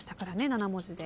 ７文字で。